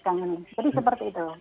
jadi seperti itu